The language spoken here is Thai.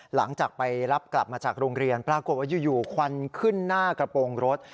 หลังจากไปรับกลับมาจากโรงเรียนปรากฏว่าอยู่ควันขึ้นหน้ากระโปรงรถ